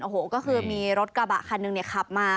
โอ้โหก็คือมีรถกระบะคันหนึ่งเนี่ยขับมา